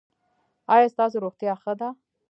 ایا ستاسو روغتیا ښه ده؟